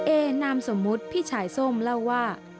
นามสมมุติพี่ชายส้มเล่าว่า